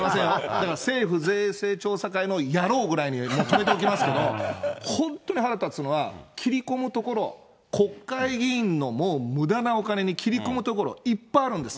だから政府税制調査会のやろうぐらいに止めておきますけど、本当に腹立つのは、切り込むところ、国会議員の、もうむだなお金に切り込むところ、いっぱいあるんです。